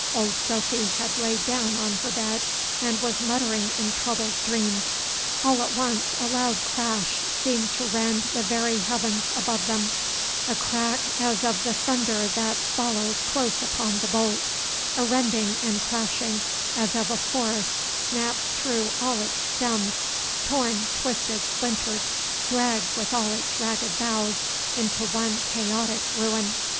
Old Sophy had lain down on her bed, and was muttering in troubled dreams. All at once a loud crash seemed to rend the very heavens above them: a crack as of the thunder that follows close upon the bolt, a rending and crashing as of a forest snapped through all its stems, torn, twisted, splintered, dragged with all its ragged boughs into one chaotic ruin.